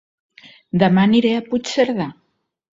Dema aniré a Puigcerdà